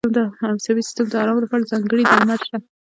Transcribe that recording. د عصبي سیستم د آرامۍ لپاره ځانګړي درمل شته.